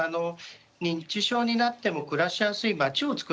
認知症になっても暮らしやすい町をつくろう。